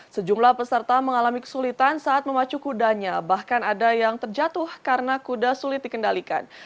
sejumlah peserta mengalami kesulitan saat memacu kudanya bahkan ada yang terjatuh karena kuda sulit dikendalikan